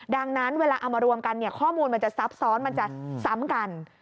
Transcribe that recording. ดังนั้นเวลาเอามารวมกันข้อมูลมันจะซับซ้อนมันจะซ้ำกัน